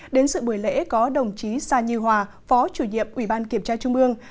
đến sự buổi lễ có đồng chí sa như hòa phó chủ nhiệm ủy ban kiểm tra trung ương